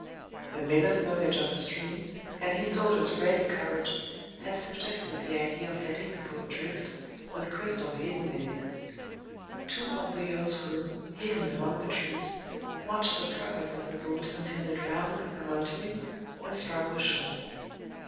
The miller's knowledge of the stream, and his daughter's ready courage, had suggested the idea of letting the boat drift, with Cristel hidden in it. Two of the yacht's crew, hidden among the trees, watched the progress of the boat until it rounded the promontory, and struck the shore.